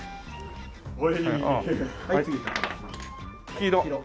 黄色。